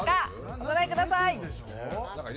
お答えください。